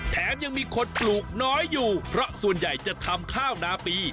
แถมยังมีคนปลูกน้อยอยู่เพราะส่วนใหญ่จะทำข้าวนาปี